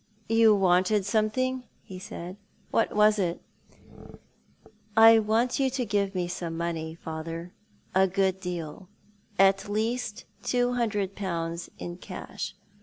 " You wanted something," he said. " What was it ?"" I want you to give me some money, father ; a good deal — at least two hundred pounds, in cash.